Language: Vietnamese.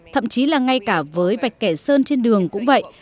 thậm chí là ngay cả với vạch kẻ sơn trên đường cũng vậy